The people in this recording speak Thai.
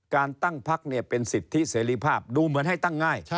การตั้งพักเป็นสิทธิเสรีภาพดูเหมือนให้ตั้งง่าย